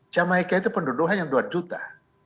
jamaica itu penduduk hanya dua juta